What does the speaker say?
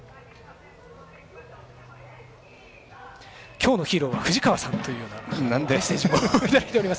今日のヒーローは藤川さんというようなメッセージもいただいております。